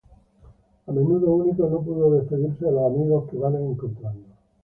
A menudo Único no puede despedirse de los amigos que va encontrando.